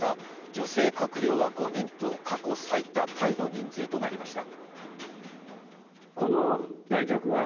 女性閣僚は５人と過去最多タイの人数となりました。